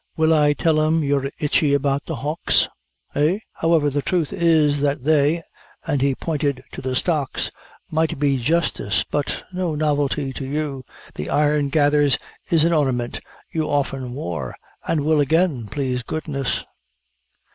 "Will I tell him you're itchy about the houghs? eh? However, the thruth is, that they," and he pointed to the stocks "might be justice, but no novelty to you. The iron gathers is an ornament you often wore, an' will again, plase goodness."